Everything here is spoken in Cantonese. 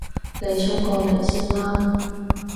你沖個涼先啦